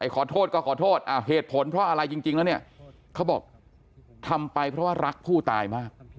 ขอโทษก็ขอโทษเหตุผลเพราะอะไรจริงแล้วเนี่ยเขาบอกทำไปเพราะว่ารักผู้ตายมาก